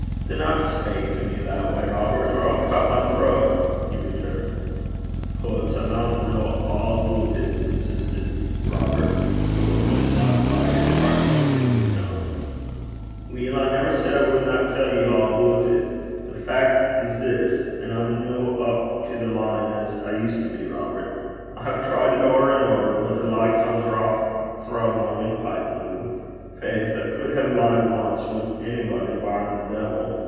'Dinna speyk to me that gait, Robert, or I'll cut my throat,' he returned. 'Hoots! I maun ken a' aboot it,' insisted Robert, but with much modified and partly convicted tone. 'Weel, I never said I wadna tell ye a' aboot it. The fac' 's this an' I'm no' up to the leein' as I used to be, Robert: I hae tried it ower an' ower, but a lee comes rouch throw my thrapple (windpipe) noo. Faith! I cud hae leed ance wi' onybody, barrin' the de'il.